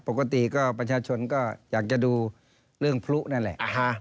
ปกติก็ประชาชนก็อยากจะดูเรื่องพลุนั่นแหละ